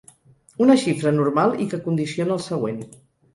Una xifra anormal i que condiciona el següent.